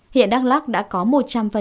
hiện đắk lắc đã có một trăm linh cán bộ